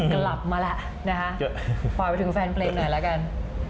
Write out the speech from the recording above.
กลับมาแล้วนะคะฝากไปถึงแฟนเพลงหน่อยละกัน